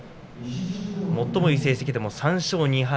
最もいい成績でも３勝２敗。